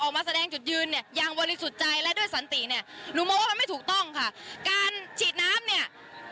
ออกมาแสดงจุดยืณัยอย่างวันฤทธิสุดใจและด้วยสันติเนี่ย